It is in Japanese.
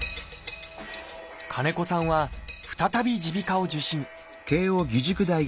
金子さんは再び耳鼻科を受診